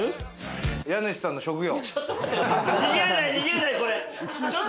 家主さんの職業。